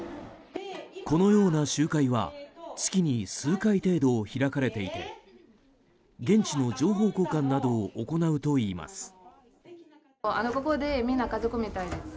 このような集会は月に数回程度開かれていて現地の情報交換などを行うといいます。